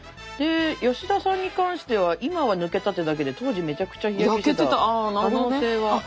吉田さんに関しては今は抜けたってだけで当時めちゃくちゃ日焼けしてた可能性はある。